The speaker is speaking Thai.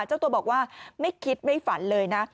เจ้าตัวบอกว่าไม่คิดไม่ฝันเลยนะ